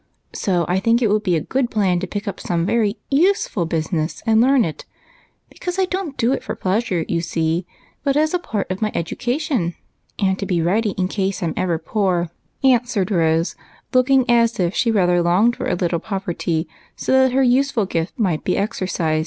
So, I think it would be a good plan to pick out some very useful business and learn it, because I don't do it for pleasure, you see, but as a part of my education, and to be ready in case I 'm ever poor," answered Rose, looking as if she rather longed for a little poverty so that her useful gift might be exercised.